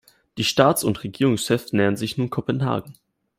Die Staatsund Regierungschefs nähern sich nun Kopenhagen.